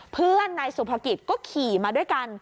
เพื่อนนายสุภกิจก็ขี่มาด้วยกัน